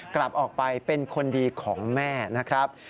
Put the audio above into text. กลับออกไปเป็นคนดีของแม่นะครับ